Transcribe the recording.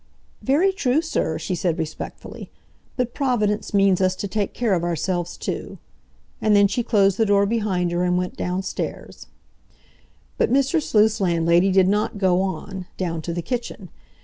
"Very true, sir," she said respectfully. "But Providence means us to take care o' ourselves too." And then she closed the door behind her and went downstairs. But Mr. Sleuth's landlady did not go on, down to the kitchen.